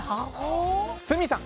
鷲見さん